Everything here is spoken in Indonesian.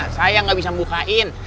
saya nggak bisa membukain